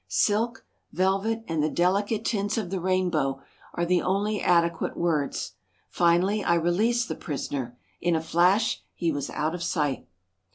Silk, velvet and the delicate tints of the rainbow are the only adequate words. Finally I released the prisoner. In a flash he was out of sight.